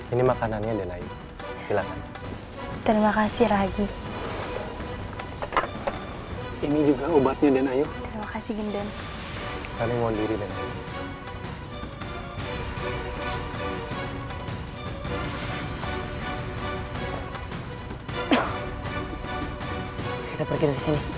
ini makanannya dan silahkan terima kasih lagi ini juga obatnya dan ayo kasih genden